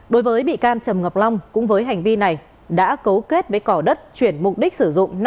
đối với bị can trầm ngọc long cũng với hành vi này đã cấu kết với cỏ đất chuyển mục đích sử dụng